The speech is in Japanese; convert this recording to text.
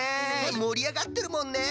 もりあがってるもんね。